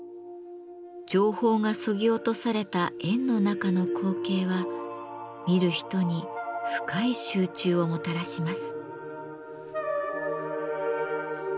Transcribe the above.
情報がそぎ落とされた円の中の光景は見る人に深い集中をもたらします。